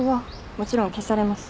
もちろん消されます。